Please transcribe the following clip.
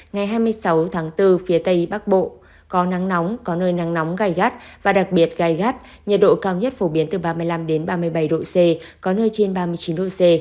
ngày hai mươi sáu tháng bốn phía tây bắc bộ có nắng nóng có nơi nắng nóng gai gắt và đặc biệt gai gắt nhiệt độ cao nhất phổ biến từ ba mươi năm ba mươi bảy độ c có nơi trên ba mươi chín độ c